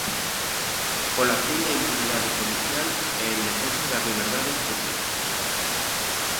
Pola fin da impunidade policial e en defensa das liberdades públicas.